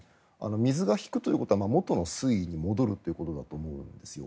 水が引くということは元の水位に戻るということだと思うんですよ。